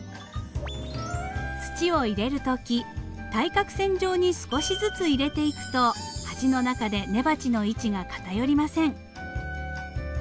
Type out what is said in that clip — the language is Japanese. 土を入れる時対角線上に少しずつ入れていくと鉢の中で根鉢の位置が偏りません。